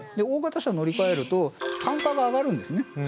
大型車乗り換えると単価が上がるんですね